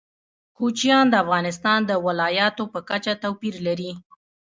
کوچیان د افغانستان د ولایاتو په کچه توپیر لري.